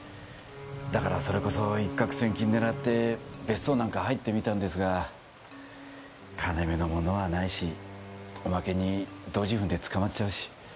だからそれこそ一獲千金狙って別荘なんか入ってみたんですが金目のものはないしおまけにドジ踏んで捕まっちゃうし。